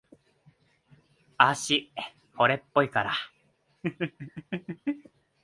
あたし、惚れっぽいから。